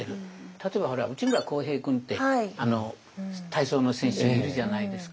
例えばほら内村航平君って体操の選手いるじゃないですか。